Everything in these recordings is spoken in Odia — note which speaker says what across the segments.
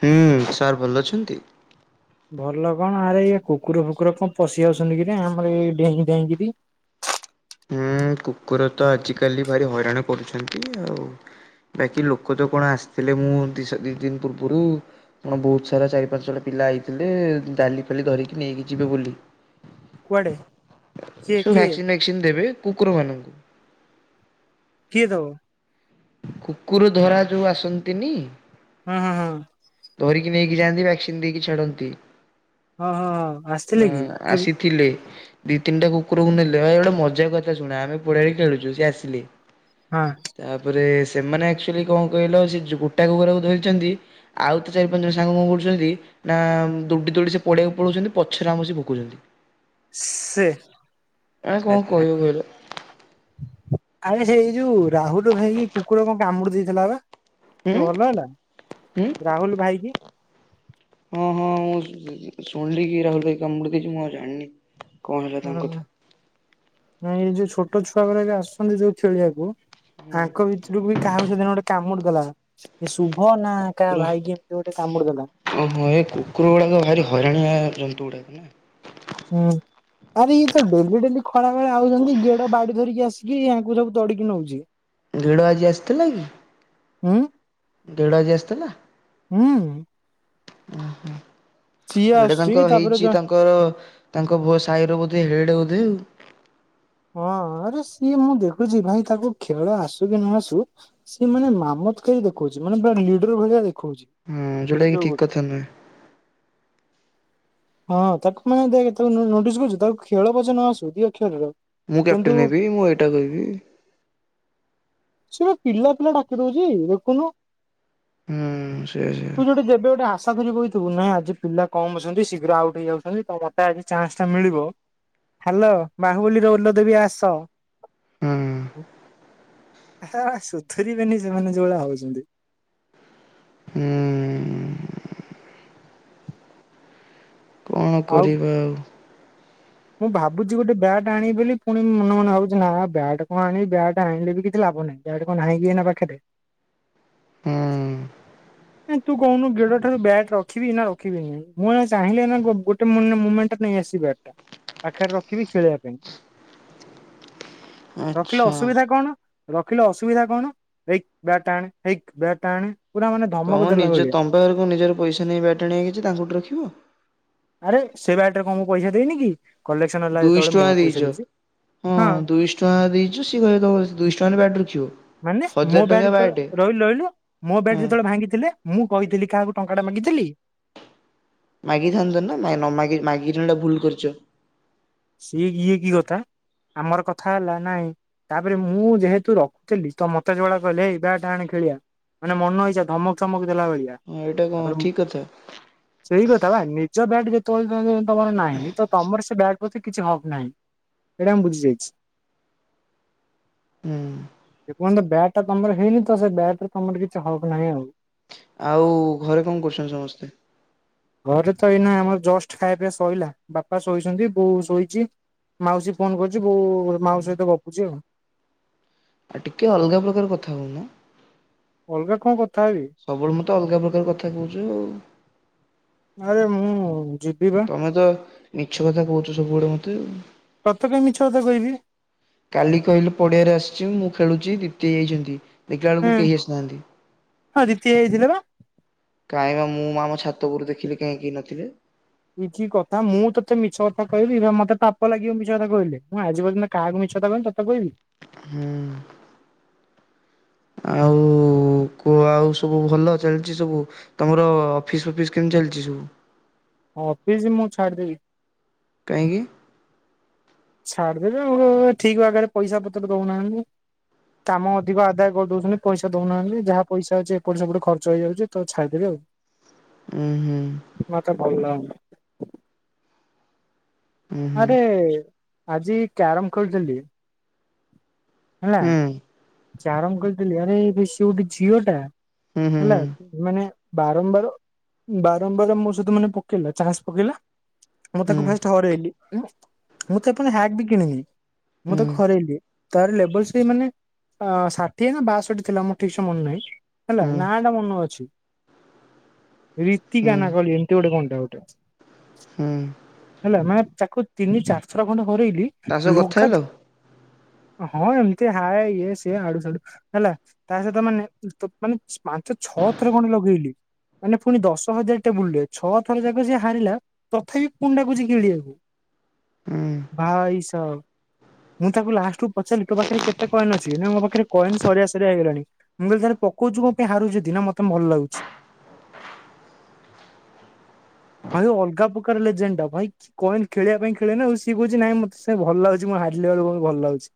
Speaker 1: ହୁଁ ସାର୍ ଭଲ ଅଛନ୍ତି?
Speaker 2: ଭଲ କଣ ଆରେ ଇ କୁକୁର ଫୁକୁର କଣ ପଶି ଯାଉଛନ୍ତି କି ଆମରଇ ଡେଇଁ ଡେଇଁକିରି।
Speaker 1: ହୁଁ କୁକୁର ତ ଆଜିକାଲି ଭାରି ହଇରାଣ କରୁଛନ୍ତି ଆଉ। ବାକି ଲୋକ ତ କଣ ଆସିଥିଲେ ମୁଁ ଦିଇଶହ ଦୁଇ ଦିନ ପୂର୍ବରୁ କଣ ବହୁତ ସାରା ଚାରି ପାଞ୍ଚ ଜଣ ପିଲା ଆଇଥିଲେ ଡାଲି ଫାଲି ଧରିକି ନେଇକି ଯିବେ ବୋଲି।
Speaker 2: କୁଆଡେ କିଏ କିଏ
Speaker 1: ଭାକସିନ୍ ଫାକସିନ୍ ଦେବେ କୁକୁର ମାନଙ୍କୁ।
Speaker 2: କିଏ ଦବ?
Speaker 1: କୁକୁର ଧରା ଯୋଉ ଆସନ୍ତିନି।
Speaker 2: ହଁ ହଁ ହଁ।
Speaker 1: ଧରିକି ନେଇକି ଯାଆନ୍ତି ଭ୍ୟାକ୍ସିନ ଦେଇକି ଛାଡନ୍ତି।
Speaker 2: ହଁ ହଁ ହଁ ଆସିଥିଲେ କି କେବେ?
Speaker 1: ଥିଲେ ଦି ତିନିଟା କୁକୁରକୁ ନେଲେ ଭାଇ ଗୋଟେ ମଜା କଥା ଶୁଣ ଆମେ ପୋଡାରେ ଖେଳୁଛୁ ସେ ଆସିଲେ।
Speaker 2: ହଁ।
Speaker 1: ତାପରେ ସେମାନେ ଆଚୁଆଲି କଣ କହିଲ ସେ ଗୁଟା କୁକୁାକୁ ଧରିଛନ୍ତି ଆଉ ଥରେ ଚାରି ପାଞ୍ଚ ଜଣ ସାଙ୍ଗ କଣ କରୁଛନ୍ତି ନା ଦୋଡି ଦୋଡି ସେ ପଡ଼ିଆକୁ ପଳଉଛନ୍ତି ପଛରେ ଆମ ସେ ଭୋକଉଛନ୍ତି।
Speaker 2: ସେ
Speaker 1: ଆଁ କଣ କହିବ କହିଲ?
Speaker 2: ଆରେ ସେଇ ଯୋଉ ରାହୁଲ ର ଭାଇ କୁକୁର କଣ କାମୁଡି ଦେଇଥିଲା ବା?
Speaker 1: ହୁଁ
Speaker 2: ସେ ଭଲ ହେଲା
Speaker 1: ହୁଁ
Speaker 2: ରାହୁଲ ଭାଇ କି।
Speaker 1: ହଁ ହଁ ମୁଁ ଶୁ ଶୁଣିଲି କି ରାହୁଲ ଭାଇ କାମୁଡି ଦେଇଛି ମୁଁ ଆଉ ଜାଣିନି। କଣ ହେଲା ତାଙ୍କ
Speaker 2: ହଁ
Speaker 1: କଥା
Speaker 2: ନାଇ ଏଇ ଯୋଉ ଛୋଟ ଛୁଆ ଗୁଡ ବି ଆସଛନ୍ତି ଯୋଉ ଖେଳିବାକୁ
Speaker 1: ହୁଁ
Speaker 2: ଆଙ୍କ ଭିତରକୁ ବି କାହା ହ ସେଦିନ ଗୋଟେ କାମୁଡି ଦେଲା, ଏ ସୁବ ହଁ ନା କା
Speaker 1: କୁକୁର
Speaker 2: ଭାଇ କିି ଏମିତି ଗୋଟେ କାମୁଡିଗଲା।
Speaker 1: ଓହୋ ଏ କୁକୁର ଗୁଡାକ ଭାରି ହଇରାଣଆ ଜନ୍ତୁ ଗୁଡାକ ନା।
Speaker 2: ହଁ। ଆରେ ଇଏ ତ ଡେଲି ଡେଲି ଖରା ବେଳେ ଆଉଛନ୍ତି ଗେଡ ବାଡି ଧରିକି ଆସିକିୟାକୁ ସବୁ ତଡିକି ନଉଛି। ଁ
Speaker 1: ଗେଡ଼ ଆଜି ଆସିଥିଲା କି?
Speaker 2: ଉଁ?
Speaker 1: ଗେଢ ଆଜି ଆସିଥିଲା?
Speaker 2: ହୁଁ।
Speaker 1: ଓହୋ
Speaker 2: ସିଏ
Speaker 1: ଗଟା
Speaker 2: ଆସୁଛି
Speaker 1: ତାଙ୍କ
Speaker 2: ତାପରେ ଜ
Speaker 1: ହେଇଛି ତାଙ୍କ ତାଙ୍କର ତାଙ୍କୋ ସାହିର ବୋଧେ ହେଡ୍ ବୋଧେ ଆଉ?
Speaker 2: ହଁ ଆରେ ସିଏ ମୁଁ ଦେଖୁଛି ଭାଇ ତାକୁ ଖେଳ ଆସୁ କି ନ ଆସୁ ସି ମାନେ ମାମତକାର ଦେଖଉଛି ମାନେ ପୁରା ଲିଡର ଭଳିଆ ଦେଖଉଛି।
Speaker 1: ହଁଉଁ ଜୋଟାକି ଠିକ୍ କଥା ନୁହେଁ।
Speaker 2: ହଁ ତାକୁ ମାନେ ଦେ ତାକୁ ନୋଟିସ କରୁଛୁ ତାକୁ ଖେଳ ପଛ ନ ଆସୁ ଦିଅ ଖେଳର
Speaker 1: ମୁଁ କ୍ୟାପଟେନ୍ ହେବି ମୁଁ ଏଇଟା କହିବି।
Speaker 2: ସ ପିଲା ପିଲା ଡାକି ଦଉଛି ଦେଖୁନୁ।
Speaker 1: ହୁଁ ସେୟା ସେୟା
Speaker 2: ତୁ ଯୋଉଟେ ଯେବେ ଗୋଟେ ଆଶା ଧିରି ବଇଚୁ ତୁ ନାହିଁ ଆଜି ପିଲା କମ ଅଛନ୍ତି ଶୀଘ୍ର ଆଉଟ ହେଇ ଯାଉଛନ୍ତି ତ ମୋତେ ଆଜି ଚାନ୍ସ ଟା ମିଳିବ। ହ୍ୟାଲୋ ବାହୁବୁଲି ର ଓଲ ଦେବୀ ଆସ।
Speaker 1: ହୁଁ।
Speaker 2: ହେ ସୁଥୁରିବେନି ସେମାନେ ଯୋଉଳିଆ ହଉଛନ୍ତି।
Speaker 1: ଉଁ। କଣ କରିବା ଆଉ?
Speaker 2: ମୁଁ ଭାବୁଛି ଗୋଟେ ବ୍ୟାଟ୍ ଆଣିବି ବୋଲି ପୁଣି ମନେ ମନେ ଭାବୁଛି ନା ବ୍ୟାଟ୍ କଣ ଆଣି ବ୍ୟାଟ୍ ଆଣିଲେ ବି କିଛି ଲାଭ ନାହିଁ? ବ୍ୟାଟ୍ କଣ ନାହିଁ କି ଏଇନା ପାଖରେ?
Speaker 1: ହୁଁ।
Speaker 2: ନଁ ତୁ କହୁନୁ ଗେଡ ଠାରୁ ବ୍ୟାଟ ରଖିବି ନା ରଖିବିନିଁ ମୁଁ ଏଇନା ଚାହିଁଲେ ନା ଗୋ ମୁ ମୁମେଣ୍ଟ ନେଇ ଆସିବା ବ୍ୟାଟଟା ପାଖରେ ରଖିବି ଖେଳବା ପାଇଁ। ରଖିଲେ
Speaker 1: ଆଚ୍ଛା
Speaker 2: ଅସୁବିଧା କଣ? ରଖିଲେ ଅସୁବିଧା କଣ? ହେଇକି ବ୍ୟାଟଟା ଆଣେ ହେଇକି ବ୍ୟାଟଟା ଆଣେ ପୁରା ମାନେ ଧମକ
Speaker 1: ତମ
Speaker 2: ଦେଲା
Speaker 1: ନିଜ
Speaker 2: ଭଳିଆ।
Speaker 1: ତମ ପାଖରେ କଣ ନିଜର ପଇସା ନାଇଁ ବ୍ୟାଟ ଆଣିବା କିଛି ତାଙ୍କଠୁ ରଖିବ।
Speaker 2: ଆରେ ସେ ବ୍ୟାଟରେ କଣ ମୁଁ ପଇସା ଦେଇନି କି କଲେକ୍ସନ ହେଲା
Speaker 1: ଦୁଇଶହ
Speaker 2: ଯେତେବେଳେ ମୁଁ
Speaker 1: ଟଙ୍କା
Speaker 2: ବା
Speaker 1: ଦେଇଛ
Speaker 2: ପଇସା ଦେଇଛି ହଁ।
Speaker 1: ଟଙ୍କା ଦେଇଚୁ ସେ କହିଲେ ତମେ ଦୁଇଶହ ଟଙ୍କାରେ ବ୍ୟାଟ ରଖିବ।
Speaker 2: ମାନେ ମୋ
Speaker 1: ହଜାର
Speaker 2: ବ୍ୟାଟ୍
Speaker 1: ଟଙ୍କା ବ୍ୟାଟେ
Speaker 2: ଯେତେବେଳେ ରହିଲୁ ରହିଲୁ ମୋ ବ୍ୟାଟ
Speaker 1: ହଁ
Speaker 2: ଯେତେବେଳେ ଭାଙ୍ଗିଥିଲେ। ମୁଁ କହିଥିଲି କାହାକୁ ଟଙ୍କାଟା ମାଗିଥିଲି।
Speaker 1: ମାଗିଥାନ୍ତ ନା ମା ନମାଗି ମାଗିକି ତମେ ଏଟା ଭୁଲ କରିଛ।
Speaker 2: ସିଏ ଇଏ କି କଥା ଆମର କଥା ହେଲା ନାଇଁ ତାପରେ ମୁଁ ଯେହେତୁ ରଖୁଥିଲି ତ ମତେ ଯୋଉଭଳିଆ କହିଲେ ଏଇ ବ୍ୟାଟ ଆଣେ ଖେଳିବା। ମାନେ ମନ ଇଛା ଧମକ ଚମକ ଦେଲା ଭଳିଆ।
Speaker 1: ହଁ ଏଇଟା କଣ ଠିକ୍ କଥା।
Speaker 2: ସେଇକଥା ବା ନିଜ ବ୍ୟାଟ୍ ଯେତେବେଳେ ତ ତମର ନାହିଁ ତମର ସେ ବ୍ୟାଟ ମତେ କିଛି ହକ ନାହିଁ ସେଇଟା ମୁଁ ବୁଝିଯାଇଛି।
Speaker 1: ହୁଁ।
Speaker 2: ଯେ ପର୍ଯ୍ୟନ୍ତ ବ୍ୟାଟ ଟା ତମର ହେଇନି ତ ସେ ବ୍ୟାଟରେ ତମର କିଛି ହକ ନାହିଁ ଆଉ।
Speaker 1: ଆଉ ଘରେ କଣ କରୁଛନ୍ତି ସମସ୍ତେ?
Speaker 2: ଘରେ ତ ଏଇନା ଆମର ଜଷ୍ଟ ଖାଇବା ପିଇବା ଶଇଲା ବାପା ଶୋଇଛନ୍ତି। ବୋଉ ଶୋଇଛି। ମାଉସୀ ଫୋନ କରୁଛି ବୋଉ ମାଉସୀ ସହିତ ଗପୁଛି ଆଉ।
Speaker 1: ଆଉ ଟିକେ ଅଲଗା ପ୍ରକାର କଥା ହଉନା।
Speaker 2: ଅଲଗା କଣ କଥା ହେବି।
Speaker 1: ସବୁବେଳେ ମୁଁ ତ ଅଲଗା ପ୍ରକାର କଥା କହୁଚି ଆଉ।
Speaker 2: ଆରେ ମୁଁ ଯିବି ବା।
Speaker 1: ତମେ ତ ମିଛ କଥା କହୁଛ ସବୁବେଳେ ମୋତେ ଆଉ।
Speaker 2: ତତେ କାଇଁ ମିଛ କଥା କହିବି।
Speaker 1: କାଲି କହିଲୁ ପଡିଆରେ ଆସିଛି ମୁଁ ଖେଳୁଛି ଦ୍ୱିତେଇ ଯାଇଛନ୍ତି।
Speaker 2: ହୁଁ
Speaker 1: ଦେଖିଲାବେଳକୁ କେହି ଆସିନାହାନ୍ତି।
Speaker 2: ହଁ ଦିଦି ହେଇଥିଲେ ବା।
Speaker 1: କାହିଁବା ମୁଁ ଆମ ଛାତ ଉପରୁ ଦେଖିଲି କାଇଁ କେହି ନଥିଲେ।
Speaker 2: ଇଏ କି କଥା ମୁଁ ତତେ ମିଛ କଥା କହିବି ଆ ମତେ ପାପ ଲାଗିବ ମିଛ କଥା କହିଲେ ମୁଁ ଆଜି ପର୍ଯ୍ୟନ୍ତ କାହାକୁ ମିଛକଥା କହିନି ତତେ କହିବି।
Speaker 1: ହୁଁ। ଆଉ କୁ ଆଉ ସବୁ ଭଲ ଚାଲିଛି ସବୁ ତମର ଅଫିସ ଫଫିସ କେମତି ଚାଲିଛି ସବୁ?
Speaker 2: ଅଫିସ ମୁଁ ଛାଡ଼ିଦେବି।
Speaker 1: କାହିଁକି?
Speaker 2: ଛାଡିଦେବି ଆଉ ଠିକ ବାଗରେ ପଇସା ପତ୍ର ଦୋଉନାହାନ୍ତି। କାମ ଅଧିକ ଆଦାୟ କରିଦଉଛନ୍ତି ପଇସା ଦଉନାହାନ୍ତି ଯାହା ପଇସା ଅଛି ଏପଟ ସେପଟେ ଖର୍ଚ ହେଇଯାଉଛି ତ ଛାଇଦେନି ଆଉ।
Speaker 1: ଉହୁଁ।
Speaker 2: ମତେ ଭଲ ଲାଗୁନି।
Speaker 1: ଉଁ ହୁଁ
Speaker 2: ଆରେ ଆଜି କ୍ୟାରମ ଖେଳୁଥିଲି
Speaker 1: ହୁଁ।
Speaker 2: ଚାରଙ୍ଗ ଖେଳୁଥିଲି ଆରେ ସେ ଗୋଟେ ଝିଅ ଟା
Speaker 1: ହୁଁ ହୁଁ ହୁଁ ହୁଁ
Speaker 2: ହେଲା ମାନେ ବାରମ୍ବାର ବାରମ୍ବାର ବାରମ୍ବାର ବାରମ୍ବାର ମୋ ସହିତ ମାନେ ପକେଇଲା ଚାସ ପକେଇଲା। ମୁଁ ତାକୁ
Speaker 1: ହୁଁ।
Speaker 2: ଫାଷ୍ଟ ହରେଇଲେ। ମୁଁ ତାକୁ ହ୍ୟାକ୍ ବି କିଣିଲି। ମୁଁ ତାକୁ ହରେଇଲି। ତାର ଲେବଲ୍ ସେଇ ମାନେ ଆ ଷାଠିଏ ନା ବାଷଠି ଥିଲା। ମୋର ଠିକ୍ସେ ମନେ ନାହିଁ ହେଲା,
Speaker 1: ହୁଁ
Speaker 2: ନାଁ ଟା ମନ ଅଛି। ରୀତିକା
Speaker 1: ହୁଁ
Speaker 2: ନା କଣ, ଏମିତି ଗୋଟେ କଣ ଟା ଗୋଟେ?
Speaker 1: ହୁଁ।
Speaker 2: ହେଲା, ମୁଁ ତାକୁ ତିନି ଚାରିଥର ଖଣ୍ଡେ ହରଇଲି।
Speaker 1: ତା ସହ କଥା ହେଲ?
Speaker 2: ଲଗାତ ହଁ ଏମତି ହାଏ, ଇଏ ସେ ଆଡୁ ସାଡୁ ହେଲା ତା ସହିତ ମାନେ ପୁଣି ପାଞ୍ଚ ଛଅ ଥର ଖଣ୍ଡେ ଲଗେଇଲି। ମାନେ ପୁଣି ଦଶ ହଜାର ଟେବୁଲରେ ଛଅ ଥର ଯାକ ସିଏ ହାରିଲା। ତଥାପି କୁଣ୍ଡାକୁଛି କିଣିବାକୁ
Speaker 1: ହୁଁ
Speaker 2: ଭାଇସ ମୁଁ ତାକୁ ଲାଷ୍ଟକୁ ପଚାରିଲି ତୋ ପାଖରେ କେତେ କଣ [unintelligible] ସିଏ ମୋ ପାଖରେ କଏନ ସରିଆ ସରିଆ ହେଇଗଲାଣି। ମୁଁ କଇଲି ଥରେ ପକଉଛିୁ କଣ ପୁଣି ହାରୁଚୁ ତି? ନା ମତେ ଭଲ ଲାଗୁଛି। ଭାଇ ଅଲଗା ପ୍ରକାର ଲେଜେଣ୍ଡା, ଭାଇ। କଏନ ଖେଳିବା ପାଇଁ ଖେଳେ ନା ଆଉ। ସିଏ କହୁଛି ନାଇଁ ମତେ ସେ ଭଲ ଲାଗୁଛି। ମୁଁ ହାରିଲା ବେଳକୁ ଭଲ ଲାଗୁଛି।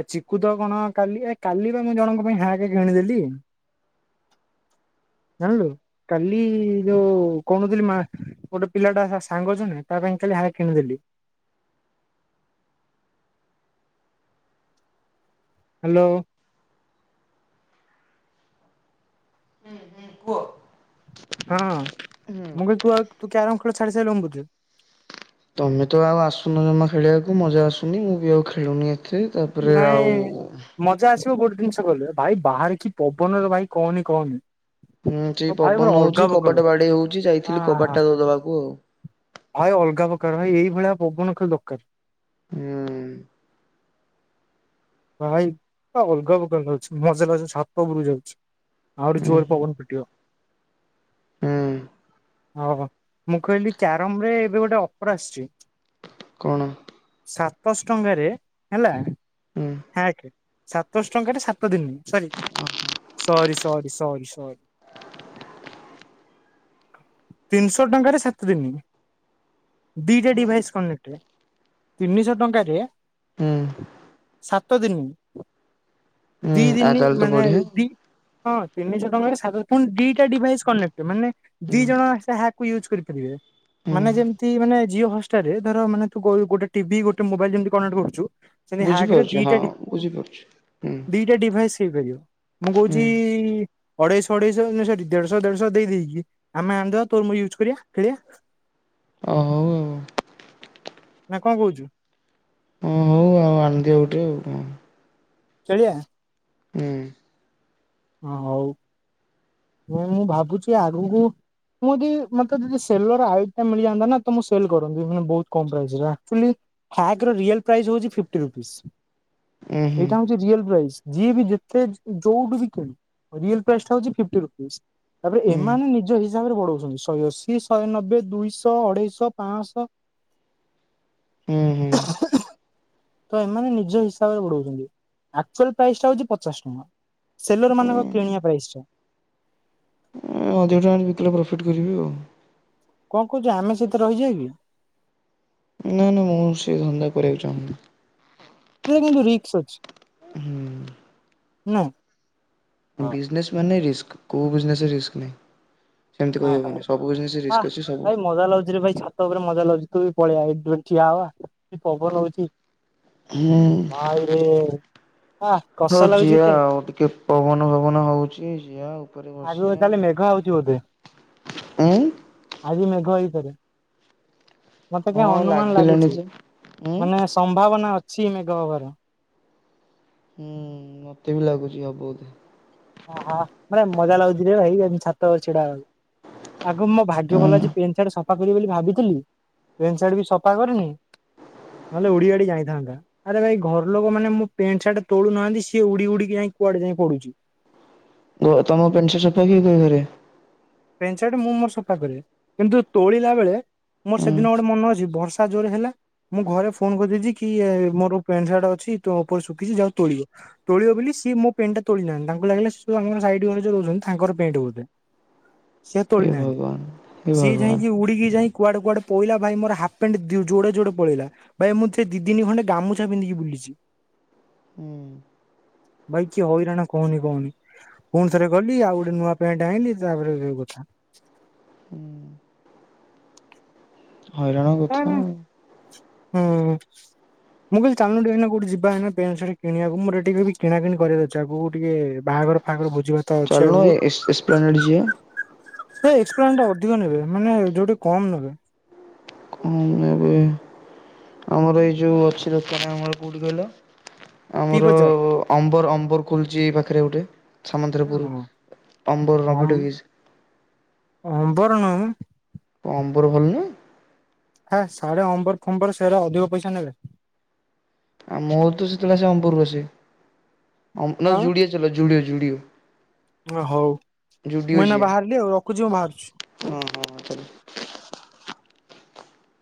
Speaker 2: ଆ ଚକୁ ତ କଣ କାଲି, ଏ କାଲି ବା ମୁଁ ଜଣଙ୍କ ପାଇଁ ହ୍ୟାକ୍ କିଣି ଦେଲି। ଜାଣ୍ଲୁ। କାଲି ଯୋଉ କଉନଥିଲି ମା ଗୋଟେ ପିଲାଟା ସାଙ୍ଗ ଯିଏ ନାଇଁ। ତା ପାଇଁ କାଲି ହ୍ୟାକ୍ କିଣିଦେଲି। ହ୍ୟାଲୋ।
Speaker 1: ହୁଁ
Speaker 2: ହଁ।
Speaker 1: ତମେ ତ ଆଉ ଆସୁନ ଜମା ଖେଳିବାକୁ ମଜା ଆସୁନି। ମୁଁ ବି ଆଉ ଖେଳୁନି। ଏତେ ତାପରେ ଆଉ
Speaker 2: ନାଇଁ। ମଜା ଆସିବ କୋଉଠି ଗୋଟେ ଜିନିଷ ଗଲେ। ଭାଇ ବାହାରେ କି ପବନରେ ଭାଇ କହନି କହନି।
Speaker 1: ହୁଁ, ସେଇ
Speaker 2: ଆଉ ଭାଇ ପୁରା
Speaker 1: ପବନ
Speaker 2: ଅଲଗା
Speaker 1: ହଉଛି।
Speaker 2: ପ୍ରକାର
Speaker 1: କବାଟା ବାଡେଇ ହଉଚି।
Speaker 2: ଆ
Speaker 1: ଯାଇଥିଲି କବାଟଟା ଦବାକୁ ଆଉ।
Speaker 2: ଭାଇ ଅଲଗା ପ୍ରକାର। ଭାଇ ଏଇ ଭଳିଆ ପବନ ଖାଲି ଦରକାର।
Speaker 1: ହୁଁ।
Speaker 2: ଭାଇ, ଅଲଗା ପ୍ରକାର ଅଛି। ମଜା ଲାଗୁଛି ଛାତ ଉପରକୁ ଯାଉଛି। ଆହୁରି
Speaker 1: ହୁଁ
Speaker 2: ଜୋରେ ପବନ ପିଟିବ।
Speaker 1: ହୁଁ
Speaker 2: ଓହୋ, ମୁଁ କହିଲି କ୍ୟାରମରେ ଏବେ ଗୋଟେ ଅଫର ଆସିଚି।
Speaker 1: କଣ?
Speaker 2: ସାତଶହ ଟଙ୍କାରେ ହେଲା
Speaker 1: ହୁଁ
Speaker 2: ହ୍ୟାକ। ସାତଶହ ଟଙ୍କାରେ ସାତ ଦିନ, ସରି। ସରି ସରି ସରି। ତିନିଶହ ଟଙ୍କାରେ ସାତଦିନି। ଦିଟା
Speaker 1: ହୁଁ
Speaker 2: ଡିଭାଇସ୍ କନେକ୍ଟ। ତିନିଶହ ଟଙ୍କାରେ
Speaker 1: ହୁଁ।
Speaker 2: ସାତ ଦିନି।
Speaker 1: ହୁଁ
Speaker 2: ଦି
Speaker 1: ଆଉ
Speaker 2: ଦିନି
Speaker 1: ତାହେଲେ ତ
Speaker 2: ମାନେ
Speaker 1: ବଢିଆ
Speaker 2: ଓବି। ହଁ, ତିନିଶ ଟଙ୍କାରେ ଦି ଟା ଡିଭାଇସ୍ କନେକ୍ଟ, ମାନେ
Speaker 1: ହୁଁ
Speaker 2: ଦି ଜଣ ସେ ହ୍ୟାକକୁ ୟୁଜ କରିପାରିବେ।
Speaker 1: ହୁଁ
Speaker 2: ମାନେ, ଯେମିତି ମାନେ ଜିଓ ହସ୍ ଷ୍ଟାର ମାନେ ତୁ ଗୋଟେ ଟିଭି ଗୋଟେ ମୋବାଇଲ ଯେମିତି କନେକ୍ଟ କରୁଚୁ, ସେମତି ହ୍ୟାକରେ
Speaker 1: ବୁଝିପାରୁଛି
Speaker 2: ଦିଟା
Speaker 1: ହଁ ବୁଝିପାରୁଛି। ହୁଁ ହୁଁ
Speaker 2: ଦିଟା ଡିଭାଇସ୍ ହେଇପାରିବ। ମୁଁ କହୁଚି ଅଢେଇଶହ ଅଢେଇଶହ ୟେ ସରି ଦେଢଶହ ଦେଢଶହ ଦେଇ ଦେଇକି ଆମେ ଆଣିଦବା, ତୋର ମୋର ୟୁଜ୍ କରିବା, ଖେଳିବା।
Speaker 1: ଆ
Speaker 2: ନା କଣ କହୁଛୁ?
Speaker 1: ହଁ, ହଉ ଆଉ ଆଣିଦେ। ଆଉ ଗୋଟେ ଆଉ କଣ?
Speaker 2: କିଣିବା।
Speaker 1: ହୁଁ।
Speaker 2: ହଁ ହଉ ନାଇଁ ମୁଁ ଭାବୁଚୁ ଆଗକୁ ମୁଁ ଯଦି ମତେ ଯଦି ସେଲୱାର ଆଇଫୋ ମିଳିଯାନ୍ତା ନା ତ ମୁଁ ସେଲ କରନ୍ତି ଫୁଣି ବହୁତ କମ୍ ପ୍ରାଇସରେ ଆକଚୁଆଲି ହ୍ୟାଗର ରିଅଲ୍ ପ୍ରାଇସ୍ ହଉଛି ଫିଫ୍ଟି ରୁପିସ୍।
Speaker 1: ଉଁ ହୁଁ
Speaker 2: ଏଇଟା ହଉଛି ରିଅଲ ପ୍ରାଇସ୍ ଯିଏ ବି ଯେତେ ଯୋଉଠୁ ବି ରିଅଲ ପ୍ରାଇସଟା ହଉଚି ଫିପ୍ଟି ରୁପିଜ ତାପରେ ଏମାନେ
Speaker 1: ହୁଁ
Speaker 2: ନିଜ ହି ହିଶାବରେ ବଢଉଛନ୍ତି ଶହେଅଶୀ ଶହେ ନବେ ଦୁଇଶହ ଅଢେଇଶହ ପାଞ୍ଚଶହ।
Speaker 1: ହୁଁ ହୁଁ।
Speaker 2: ତ ଏମାନେ ନିଜ ହିସାବରେ ବଢଉଛନ୍ତି ଆକ୍ଚୁଆଲି ପ୍ରାଇସ୍ ଟା ହଉଛି ପଚାଶ ଟଙ୍କା। ସେଲର ମାନଙ୍କ କିଣିବା ପ୍ରାଇସ୍ ଟା।
Speaker 1: ଏ ଅଧିକ ଟଙ୍କାରେ ବିକିଲେ ପ୍ରଫିଟ୍ କରିବି ଆଉ।
Speaker 2: କଣ କହୁଚୁ ଆମେ ସେଥିରେ ରହିଯିବା କି?
Speaker 1: ନାଇଁ ନାଇଁ ମୁଁ ସେ ଧନ୍ଦା କରିବାକୁ ଚାହୁଁନି।
Speaker 2: ସେ କିନ୍ତୁ ରିକ୍ସ ଅଛି।
Speaker 1: ହୁଁ।
Speaker 2: ହୁଁ।
Speaker 1: ବିଜନେସ୍ ମାନ ରିସ୍କ କୋଉ ବିଜନେସ ରିସ୍କ ନାଇଁ।
Speaker 2: ହଁ ହଁ
Speaker 1: ରିସ୍କ ଅଛି ସବୁ
Speaker 2: ଭାଇ ମଜା ଲାଗୁଛିରେ ଭାଇ ଛା ଛାତ ଉପରେ ମଜା ଲାଗୁଚଛି ତୁ ବି ପଳେଇଆ ଏଇଠି ଠିଆ ହବା କି ପବନ ହଉଛି।
Speaker 1: ହୁଁ ଉଁ।
Speaker 2: ଆରେ [inaudible]
Speaker 1: ହଉ ଜିଆ ଆଉ ଟିକେ ପବନ ପବନ ହଉଛି ଜିଆ ଉପରେ ବ
Speaker 2: ଆଗକୁ ତାହେଲେ ମେଘ ଆଉଛି ବୋଧେ?
Speaker 1: ଏଇଁ।
Speaker 2: ଆଜି ମେଘ ହେଇପାରେ ମତେ କିଆଁ
Speaker 1: ହଁ
Speaker 2: ଅନୁମାନ
Speaker 1: ଲାଗିଲାଣି
Speaker 2: ଲାଗୁଛି
Speaker 1: ଯେ ଉଁ
Speaker 2: ମାନେ ସମ୍ଭାବନା ଅଛି ମେଘ ହବାର।
Speaker 1: ହୁଁ ମତେ ବି ଲାଗୁଛି ହବ ବୋଧେ।
Speaker 2: ଆହା ମାନେ ମଜା ଲାଗୁଚିରେ ଭାଇଆଜି ଛାତ ଉପରେ ଛିଡା ହବାକୁ। ଆଗ ମୋ ଭାଗ୍ୟ ଭଲ ଆଜି
Speaker 1: ହଁ
Speaker 2: ପେଣ୍ଟ ପେଣ୍ଟ ସାଟ ସଫା କରିବ ବୋଲି ଭାବିଥିଲି ପେଣ୍ଟ ଶାଟ ବି ସଫା କରିନି ନହେଲେ ଉଡିଆଡି ଯାଇଥାନ୍ତା। ଆରେ ଭାଇ ଘର ଲୋକ ମାନ ମୋ ପେଣ୍ଟ ସାର୍ଟ ତୋଳୁନାହାନ୍ତି ସିଏ ଉଡି ଉଡିକି ଯାଇ କୁଆଡେ ଯାଇ ପଡୁଛି।
Speaker 1: କୁହ ତମ ପେଣ୍ଟ ଶାଟ ସଫା କିଏ କରେ ଘରେ?
Speaker 2: ପେଣ୍ଟ ଶାଟ ମୁଁ ମୋର ସଫା କରେ କିନ୍ତୁ ତୋଳିଲା ବେଳେ ମୋର
Speaker 1: ହଁ
Speaker 2: ସେଦିନ ଗୋଟେ ମନେ ଅଛି ବର୍ଷା ଜୋରରେ ହେଲା ମୁଁ ଘରେ ଫୋନ କରିଦେଇଛି କି ମୋର ପ୍ୟାଣ୍ଟ ସାର୍ଟ ଅଛି ତ ଉପରେ ଶୁଖିଛି ଯାଅ ତୋଳିବ ତୋଳିବ ବୋଲି ସିଏ ମୋ ପେଣ୍ଟଟା ତୋଳି ନାହାଁନ୍ତି ତାଙ୍କୁ ଲାଗିଲା ସେ ଆମର ସାଇଟ ଘରେ ଜଉ ରଉସନ୍ତି ତାଙ୍କର ପେଣ୍ଟ ବୋଧେ। ସେ ତୋଳି
Speaker 1: ହେ
Speaker 2: ନାହାନ୍ତି
Speaker 1: ଭଗବାନ ହେ
Speaker 2: ସିଏ
Speaker 1: ଭଗବାନ
Speaker 2: ଯାଇକି ଉଡିକି ଯାଇକି କୁଆଡ଼େ କୁଆଡେ ପଇଲା ଭାଇ ମୋର ହାଫପ୍ୟାଣ୍ଟ ଯୋଡଡେ ଯୋଡେ ଡ ପଳେଇଲା। ଭାଇ ମୁଁ ସେ ଦିଦିନି ଖଣ୍ଡେ ଗାମୁଛା ପିନ୍ଧିକି ବୁଲିଛି।
Speaker 1: ହୁଁ
Speaker 2: ଭାଇ କି ହଇରାଣ କୁହନି କୁହନି ପୁଣି ଥରେ ଗଲି ଆଉ ଗୋଟେ ନୂଆ ପ୍ୟାଣ୍ଟ ଆଣିଲି ତାପରେ [inaudible] ଆଛ
Speaker 1: ହୁଁ କଣ କଥା ଆଉ।
Speaker 2: ହୁଁ। ମୁଁ କହିଲି ଚାଲୁନ ଟିକେ ଏଇନା କଉଠି ଯିବା ଏଇନା ପ୍ୟାଣ୍ଟ ଶାର୍ଟ କିଣିବାକୁ ମୋର ଟିକେ କିଣା କିଣି କରିବାର ଅଛି ଆଗକୁ ଟିକେ ବାହାଘର ତାଙ୍କର ବୁଝିବା।
Speaker 1: ଚାଲୁନୁ ଏକ୍ସ ଏକ୍ସପ୍ଲେନେଟ ଯିବା।
Speaker 2: ସେ ଇଛାପ୍ଲେନେଟ ଅଧିକ ନେବେ ମାନେ ଯୋଉଠି କମ ନେବେ।
Speaker 1: କାମ ନେବେ ଆମର ଏଇ ଯେଉଁ ଅଛି ଦୋକାନ କୋଉଠି କହିଲ।
Speaker 2: ପି
Speaker 1: ଆମର
Speaker 2: ବଜାର
Speaker 1: ଅମ୍ବର ଅମ୍ବର ଖୋଲୁଛି ଏ ପାଖରେ ଗୋଟେ
Speaker 2: ଏ
Speaker 1: ସାମନ୍ତରାପୁର
Speaker 2: ହଁ
Speaker 1: ଅମ୍ବର
Speaker 2: ଅମ୍
Speaker 1: ରବିଟଗିଜ।
Speaker 2: ଅମ୍ବର ନୁ
Speaker 1: କମ୍ବର ଭଲ ନୁ
Speaker 2: ହାଁ ସାଢେ ଅମ୍ବର ଫମ୍ବର ସାଡେ ଅଧିକ ପଇସା ନେବେ।
Speaker 1: ମୋର ତ ଯେତେବେଳୁ ଆସେ ଅମ୍ବର ରୁ ଆସେ ଅ ନ
Speaker 2: ଆଁ
Speaker 1: ଯୁଡିଓ ଚାଲ ଜୁଡିଓ।
Speaker 2: ହଉ
Speaker 1: ଜୁଡିଓ
Speaker 2: ମୁଁ ଏଇନା
Speaker 1: ଯିବା।
Speaker 2: ବାହାରିଲି ଆଉ ରଖୁଛି ମୁଁ ବାହାରୁଛି।
Speaker 1: ହଁ ହଁ